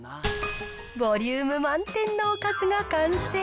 ボリューム満点のおかずが完成。